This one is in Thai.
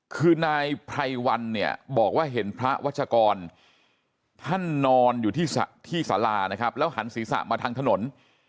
คือนายไพรวันเนี่ยบอกว่าเห็นพระวัชกรท่านนอนอยู่ที่สารานะครับแล้วหันศีรษะมาทางถนน